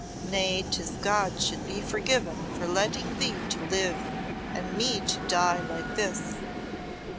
Nay, 'tis God should be forgiven for letting thee to live and me to die like this.'